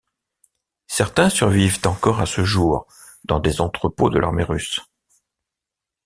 Certains survivent encore à ce jour dans des entrepôts de l'armée russe.